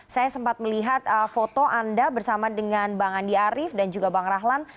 saya sempat melihat foto anda bersama dengan bang andi arief dan juga bang rahlan